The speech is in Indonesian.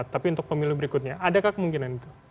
tapi untuk pemilu berikutnya adakah kemungkinan itu